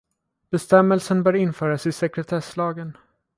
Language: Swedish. Bestämmelsen bör införas i sekretesslagen.